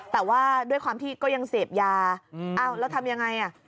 แต่ว่าด้วยความที่ก็ยังเสพยาอ้าวแล้วทำยังไงอ่ะ